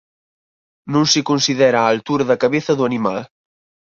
Non se considera a altura da cabeza do animal.